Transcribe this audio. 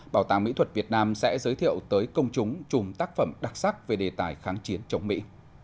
bảo tàng mỹ thuật việt nam sẽ giới thiệu tới công chúng chùm tác phẩm đặc sắc về đề tài kháng chiến chống mỹ